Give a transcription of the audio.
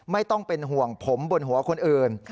ไม่ต้องเป็นห่วงผมบนหัวคนอื่น